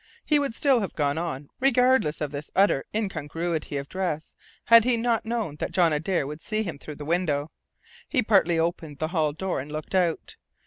He would still have gone on, regardless of this utter incongruity of dress, had he not known that John Adare would see him through the window. He partly opened the hall door and looked out.